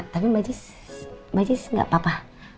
tapi mbak jis mbak jis gak apa apa